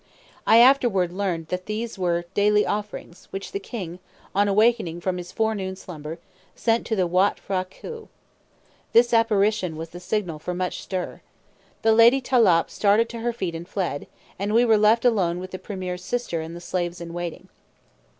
I afterward learned that these were daily offerings, which the king, on awakening from his forenoon slumber, sent to the Watt P'hra Këau. This apparition was the signal for much stir. The Lady Tâlâp started to her feet and fled, and we were left alone with the premier's sister and the slaves in waiting.